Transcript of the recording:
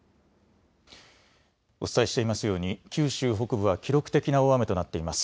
お伝えしていますように九州北部は記録的な大雨となっています。